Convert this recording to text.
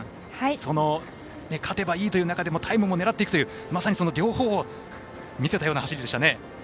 その勝てばいいという中でもタイムも狙っていく両方を見せたような走りでしたね。